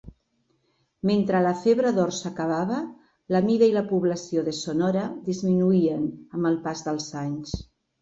Mentre la febre d'or s'acabava, la mida i la població de Sonora disminuïen amb el pas dels anys.